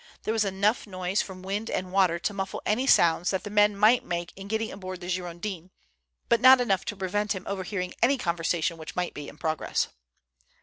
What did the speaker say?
There was enough noise from wind and water to muffle any sounds that the men might make in getting aboard the Girondin, but not enough to prevent him overhearing any conversation which might be in progress.